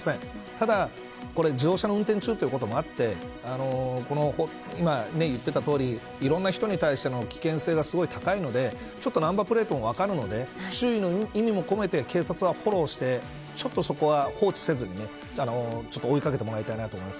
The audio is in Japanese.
ただ、自動車の運転中ということもあって今、言っていたとおりいろんな人に対しての危険性がすごい高いのでナンバープレートも分かるので注意の意味も込めて警察はフォローしてちょっとそこは放置せずに追いかけてもらいたいなと思います。